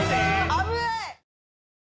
危ない！